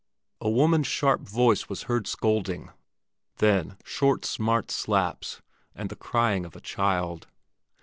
A woman's sharp voice was heard scolding, then short, smart slaps and the crying of a child.